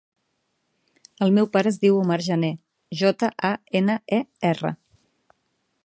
El meu pare es diu Omar Janer: jota, a, ena, e, erra.